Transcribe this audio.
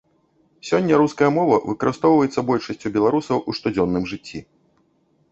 Сёння руская мова выкарыстоўваецца большасцю беларусаў у штодзённым жыцці.